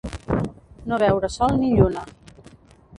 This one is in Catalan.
No veure sol ni lluna.